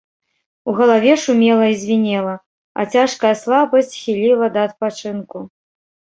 У галаве шумела і звінела, а цяжкая слабасць хіліла да адпачынку.